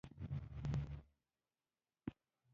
• د غره پر سر کښېنه او طبیعت ته وګوره.